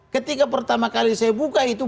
ketika pertama kali saya buka itu